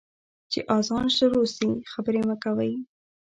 چي اذان شروع سي، خبري مه کوئ.